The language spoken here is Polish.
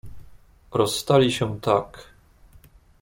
"Rozstali się tak..."